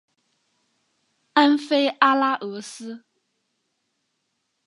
安菲阿拉俄斯。